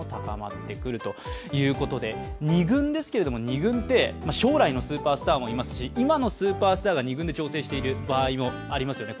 ２軍って、将来のスーパースターもいますし、今のスーパースターが２軍で調整している場合もありますよね。